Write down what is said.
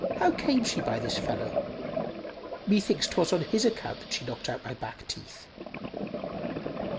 How came she by this fellow? Methinks 'twas on his account that she knocked out my back teeth!"